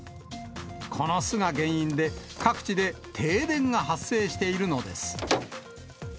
この巣が原因で、各地で停電が発生しているのです。